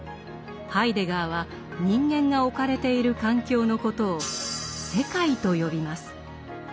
ハイデガーは人間が置かれている環境のことを「世界」と呼びます。